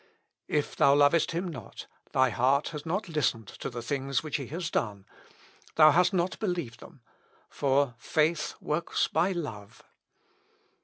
If thou lovest him not, thy heart has not listened to the things which he has done; thou hast not believed them; for faith works by love."